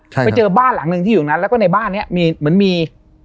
ไปเจอบ้านหลังหนึ่งที่อยู่ตรงนั้นแล้วก็ในบ้านเนี้ยมีเหมือนมี